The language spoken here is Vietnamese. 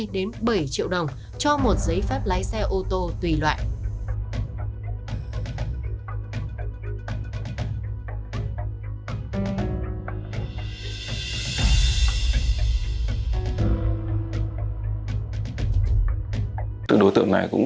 hai đến bảy triệu đồng cho một giấy phép lái xe ổn định